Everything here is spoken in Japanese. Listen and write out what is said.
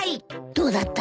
どうだった？